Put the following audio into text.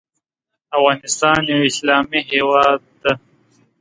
افغانستان یو اسلامې هیواد ده